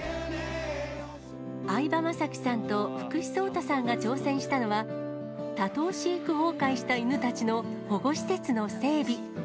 相葉雅紀さんと福士蒼汰さんが挑戦したのは、多頭飼育崩壊した犬たちの保護施設の整備。